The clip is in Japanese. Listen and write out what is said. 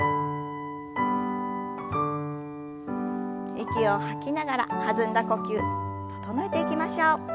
息を吐きながら弾んだ呼吸整えていきましょう。